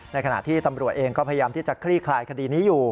ขณะที่ตำรวจเองก็พยายามที่จะคลี่คลายคดีนี้อยู่